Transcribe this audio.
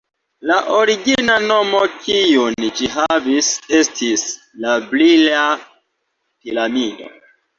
La origina nomo kiun ĝi havis estis: «La brila piramido».